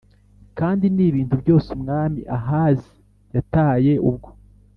Kandi n ibintu byose Umwami Ahazi yataye ubwo